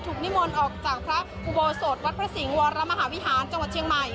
นิมนต์ออกจากพระอุโบสถวัดพระสิงห์วรมหาวิหารจังหวัดเชียงใหม่